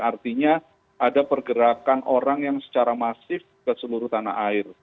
artinya ada pergerakan orang yang secara masif ke seluruh tanah air